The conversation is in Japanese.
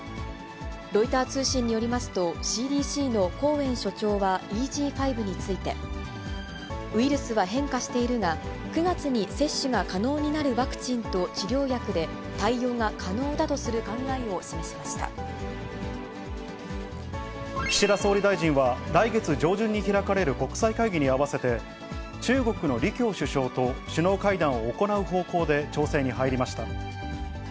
ロイター通信によりますと、ＣＤＣのコーエン所長はＥＧ．５について、ウイルスは変化しているが、９月に接種が可能になるワクチンと治療薬で対応が可能だと岸田総理大臣は、来月上旬に開かれる国際会議に合わせて、中国の李強首相と首脳会談を行う方向で調整に入りました。